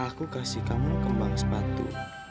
aku kasih kamu kembang sepatu